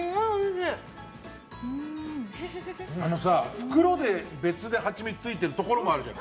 袋で別で蜂蜜ついているところもあるじゃん。